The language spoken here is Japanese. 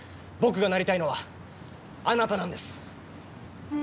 僕がなりたいのはあなたなんです！